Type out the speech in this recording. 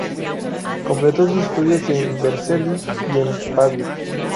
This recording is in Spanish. Completó sus estudios en Vercelli y en Pavía.